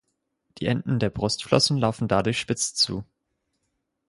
Die Enden der Brustflossen laufen dadurch spitz zu.